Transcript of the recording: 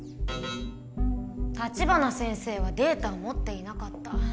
立花先生はデータを持っていなかった。